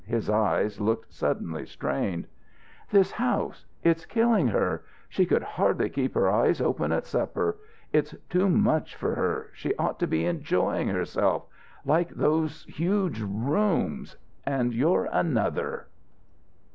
His eyes looked suddenly strained. "This house it's killing her. She could hardly keep here eyes open at supper. It's too much for her. She ought to be enjoying herself like those huge rooms. And you're another."